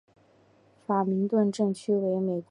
法明顿镇区为美国堪萨斯州斯塔福德县辖下的镇区。